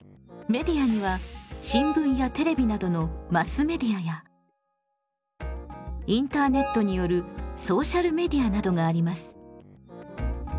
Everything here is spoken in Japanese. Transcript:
メディアには新聞やテレビなどのマスメディアやインターネットによるソーシャルメディアなどがあります。